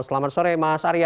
selamat sore mas arya